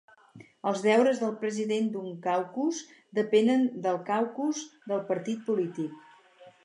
Els deures del president d'un caucus depenen del caucus del partit polític.